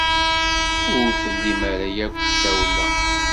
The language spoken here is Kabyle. Ur tlimt ara akk tawla.